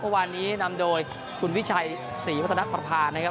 วันนี้นำโดยคุณวิชัยศรีวัฒนภาพา